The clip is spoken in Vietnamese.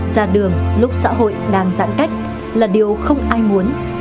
ra đường lúc xã hội đang giãn cách là điều không ai muốn